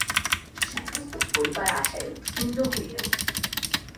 সমস্ত পরিবার আশায় উৎফুল্ল হইয়া উঠিল।